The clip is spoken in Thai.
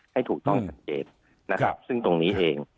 ให้ถูกต้องชัดเจนนะครับซึ่งตรงนี้เอง